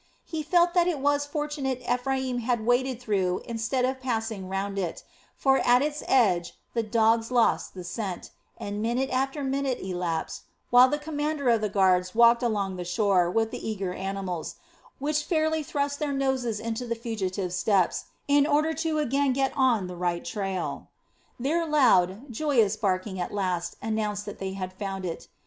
He felt that it was fortunate Ephraim had waded through instead of passing round it; for at its edge the dogs lost the scent, and minute after minute elapsed while the commander of the guards walked along the shore with the eager animals, which fairly thrust their noses into the fugitive's steps, in order to again get on the right trail. Their loud, joyous barking at last announced that they had found it.